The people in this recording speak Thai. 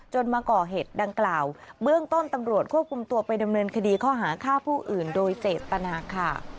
มาก่อเหตุดังกล่าวเบื้องต้นตำรวจควบคุมตัวไปดำเนินคดีข้อหาฆ่าผู้อื่นโดยเจตนาค่ะ